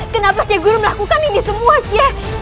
kenapa si guru melakukan ini semua si